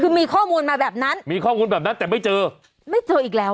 คือมีข้อมูลมาแบบนั้นมีข้อมูลแบบนั้นแต่ไม่เจอไม่เจออีกแล้ว